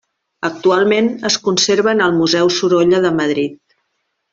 Actualment es conserva en el Museu Sorolla de Madrid.